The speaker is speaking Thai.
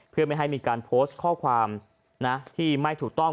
เพื่อไม่ให้มีการโพสต์ข้อความที่ไม่ถูกต้อง